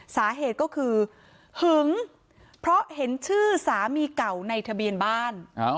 สาเหตุก็คือหึงเพราะเห็นชื่อสามีเก่าในทะเบียนบ้าน